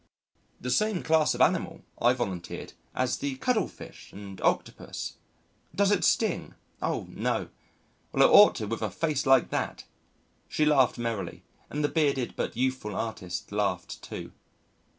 "The same class of animal," I volunteered, "as the Cuttlefish and Octopus." "Does it sting?" "Oh, no!" "Well, it ought to with a face like that." She laughed merrily, and the bearded but youthful artist laughed too.